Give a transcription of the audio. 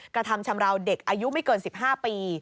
กระทำชำราวเด็กอายุไม่เกิน๑๕ปี